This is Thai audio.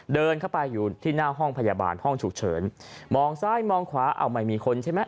เดินเข้าไปอยู่ที่หน้าห้องพยาบาลห้องฉุกเฉินมองซ้ายมองขวาอ้าวไม่มีคนใช่ไหม